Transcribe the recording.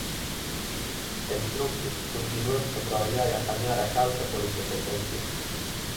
En troques, continuemos a traballar e a gañar a causa pola independencia.